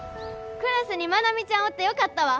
クラスに愛美ちゃんおってよかったわ。